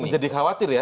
menjadi khawatir ya